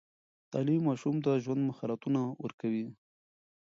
تعليم ماشوم ته د ژوند مهارتونه ورکوي.